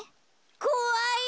こわい。